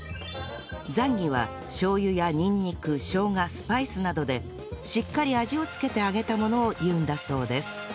ザンギはしょう油やにんにくしょうがスパイスなどでしっかり味を付けて揚げたものを言うんだそうです